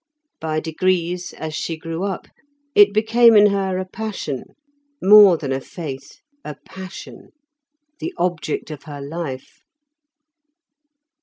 By degrees, as she grew up, it became in her a passion; more than a faith, a passion; the object of her life.